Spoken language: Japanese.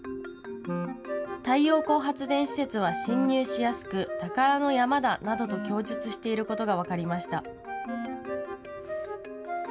太陽光発電施設は侵入しやすく宝の山だなどと供述していることが分かりました。